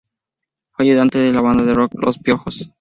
Fue ayudante de la banda de rock Los Piojos.